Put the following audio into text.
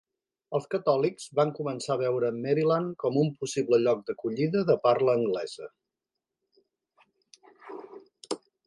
Els catòlics van començar a veure Maryland com un possible lloc d'acollida de parla anglesa.